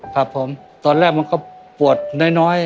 ครับผมตอนแรกมันก็ปวดน้อย